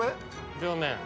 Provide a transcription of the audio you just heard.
両面。